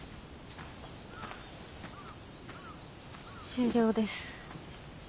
終了です。